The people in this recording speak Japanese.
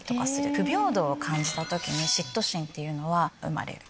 不平等を感じた時に嫉妬心というのは生まれる。